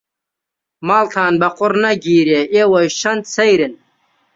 ماڵتان بە قوڕ نەگیرێ ئێوەش چەند سەیرن.